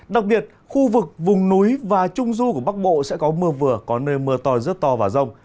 đặc biệt khu vực vùng núi và trung du của bắc bộ sẽ có mưa vừa có nơi mưa to rất to và rông